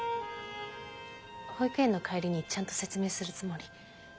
保育園の帰りにちゃんと説明するつもり。